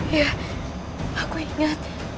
ya aku ingat